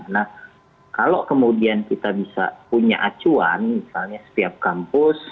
nah kalau kemudian kita bisa punya acuan misalnya setiap kampus